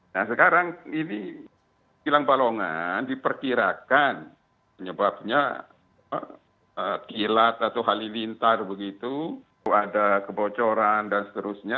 nah sekarang ini kilang balongan diperkirakan penyebabnya kilat atau halilintar begitu ada kebocoran dan seterusnya